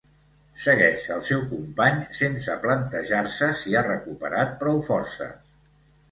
Segueix el seu company sense plantejar-se si ha recuperat prou forces.